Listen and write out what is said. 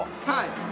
はい。